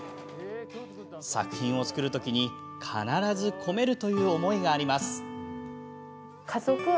作品を作る時に必ず込めるという思いがあります。